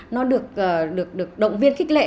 nó được động viên khích lệ